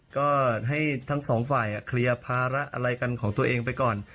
ก็ให้ทั้งสองฝ่ายเคลียร์ภาระอะไรกันของตัวเองไปก่อน